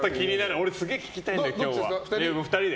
俺、すげえ聞きたいんだよ今日は。